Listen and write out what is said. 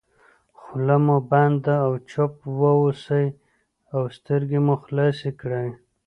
خوله مو بنده او چوپ واوسئ او سترګې مو خلاصې کړئ.